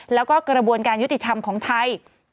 แล้วก็กระบวนการยุติธรรมของไทย